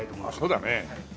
そうだね。